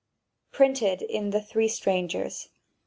Printed in "The Three Strangers," 1883.